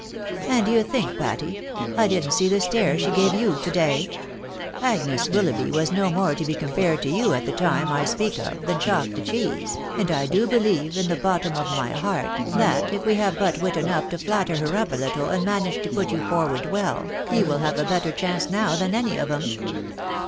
And d'ye think, Patty, I didn't see the stare she gave you to day? Agnes MATRIMONIAL EXPECTATIONS. 153 Willoughby was no more to be compared to you at the time I speak of, than chalk to cheese, and I do beUeve in the bottom of my heart, that, if we have but wit enough to flatter her up a little and manage to put you forward well, you will have a better chance now than any of 'em."